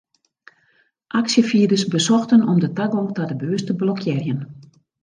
Aksjefierders besochten om de tagong ta de beurs te blokkearjen.